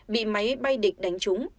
bị máy bay địch đánh trúng